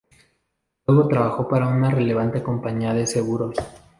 Luego trabajó para una relevante compañía de seguros.